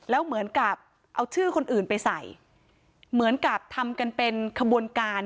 แล้วเหมือนกับเอาชื่อคนอื่นไปใส่เหมือนกับทำกันเป็นขบวนการ